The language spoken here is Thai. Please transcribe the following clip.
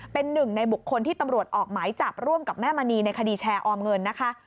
เป็นหนึ่งในบุคคลที่ตำรวจออกหมายจับร่วมกับแม่มณีในคดีแชร์ออมเงินนะคะ